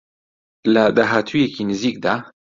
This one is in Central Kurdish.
لە داهاتوویەکی نزیکدا